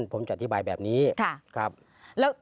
ผมจะอธิบายแบบนี้ครับ